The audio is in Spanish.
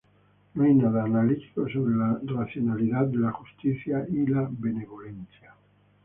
No hay nada analítico sobre la racionalidad de la justicia y la benevolencia.